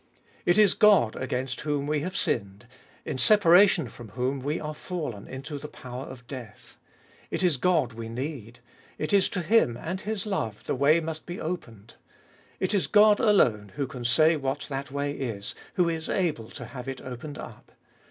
It is God against whom we have sinned, in separation from whom we are fallen into the power of death. It is God we need ; it is to Him and His love the way must be opened. It is God alone, who can say what that way is, who is able to have it opened up.